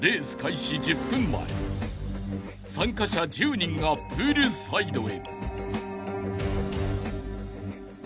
［参加者１０人がプールサイドへ］